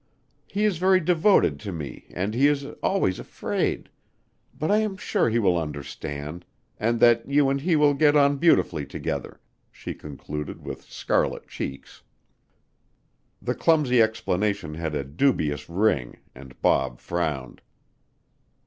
He is very devoted to me and he is always afraid But I am sure he will understand, and that you and he will get on beautifully together," she concluded with scarlet cheeks. The clumsy explanation had a dubious ring and Bob frowned.